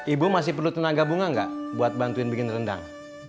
ibu masih perlu tenaga bunga nggak buat bantuin bikin rendang